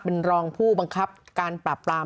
เป็นรองผู้บังคับการปราบปราม